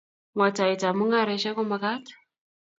Mwaitaet ab mung'areshek kumakat